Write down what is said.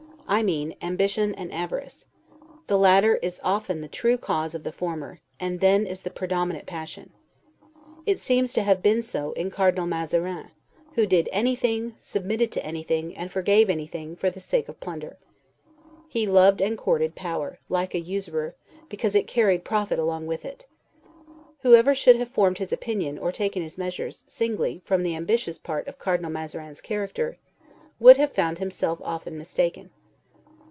I mean ambition and avarice: the latter is often the true cause of the former, and then is the predominant passion. It seems to have been so in Cardinal Mazarin, who did anything, submitted to anything, and forgave anything, for the sake of plunder. He loved and courted power, like a usurer, because it carried profit along with it. Whoever should have formed his opinion, or taken his measures, singly, from the ambitious part of Cardinal Mazarin's character, would have found himself often mistaken.